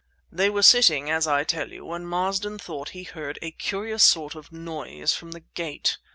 "They were sitting as I tell you when Marden thought he heard a curious sort of noise from the gate.